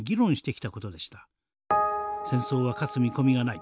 戦争は勝つ見込みがない。